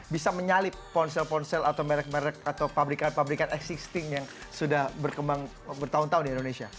bisa menyalip ponsel ponsel atau merek merek atau pabrikan pabrikan existing yang sudah berkembang bertahun tahun di indonesia